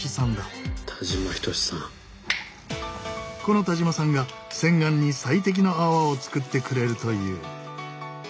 この田島さんが洗顔に最適の泡を作ってくれるという。